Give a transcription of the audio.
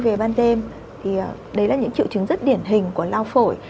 về ban đêm thì đấy là những triệu chứng rất điển hình của lao phổi